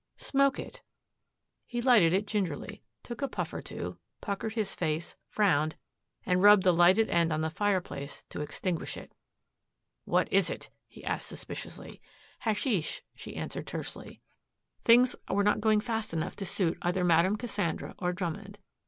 "Smoke it." He lighted it gingerly, took a puff or two, puckered his face, frowned, and rubbed the lighted end on the fireplace to extinguish it. "What is it?" he asked suspiciously. "Hashish," she answered tersely. "Things were not going fast enough to suit either Madame Cassandra or Drummond.